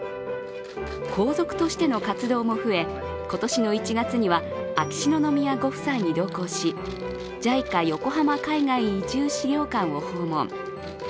皇族としての活動も増え、今年の１月には秋篠宮ご夫妻に同行し、ＪＩＣＡ横浜海外移住資料館を訪問。